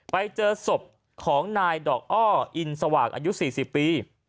ไปเจอศพของนายดอกอ้อออินสวากอายุสี่สิบปี